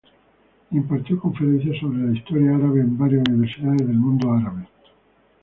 Impartió conferencias sobre la Historia árabe en varias universidades del mundo árabe.